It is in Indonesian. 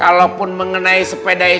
kalaupun mengenai sepeda yang